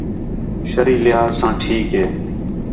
شرعی لحاظ ساں ٹھیک نے